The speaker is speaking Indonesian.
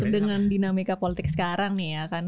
dengan dinamika politik sekarang nih ya kan